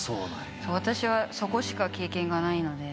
私はそこしか経験がないので。